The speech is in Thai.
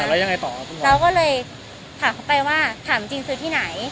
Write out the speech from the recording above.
แล้วยังไงต่อครับเราก็เลยถามเขาไปว่าถามจริงซื้อที่ไหน